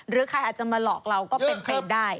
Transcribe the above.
หรือใครอาจจะมาหลอกเราก็เป็นไปได้